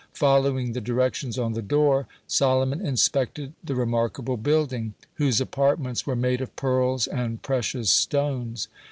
Following the directions on the door, Solomon inspected the remarkable building, whose apartments were made of pearls and precious stones.